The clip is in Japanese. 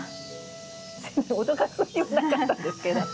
脅かす気はなかったんですけど。